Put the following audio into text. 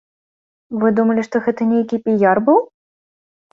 Вы думалі, што гэта нейкі піяр быў?